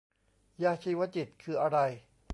ยาชีวจิตคืออะไร